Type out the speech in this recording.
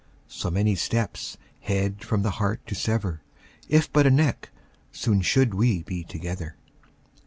So many steps, head from the heart to sever, If but a neck, soon should we be together.